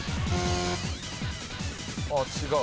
あっ違う。